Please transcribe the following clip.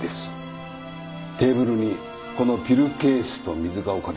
テーブルにこのピルケースと水が置かれてました。